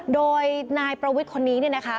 โดยนายประวิทย์คนนี้เนี่ยนะคะ